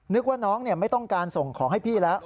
นึกว่าน้องไม่ต้องการส่งของให้พี่แล้ว